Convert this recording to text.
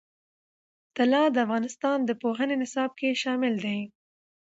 طلا د افغانستان د پوهنې نصاب کې شامل دي.